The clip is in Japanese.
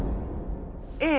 ええ。